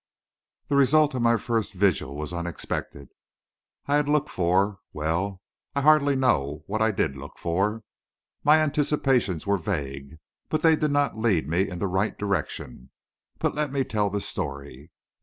The result of my first vigil was unexpected. I had looked for well, I hardly know what I did look for. My anticipations were vague, but they did not lead me in the right direction. But let me tell the story.